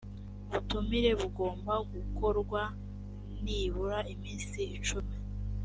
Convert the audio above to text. butumire bugomba gukorwa nibura iminsi cumi